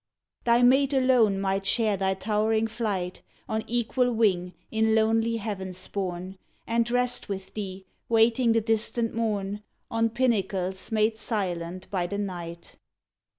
Thy mate alone might share thy towering flight, On equal wing in lonely heavens borne, And rest with thee, waiting the distant morn, On pinnacles made silent by the night.